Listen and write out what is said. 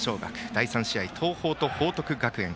第３試合、東邦と報徳学園。